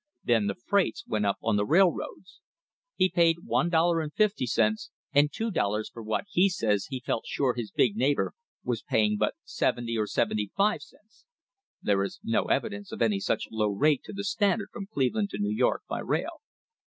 Then the freights went up on the railroads. He paid $1.50 and two dollars for what he says he felt sure his big neighbour was paying but seventy or seventy five cents (there is no evidence of any such low rate to the Standard from Cleve land to New York by rail).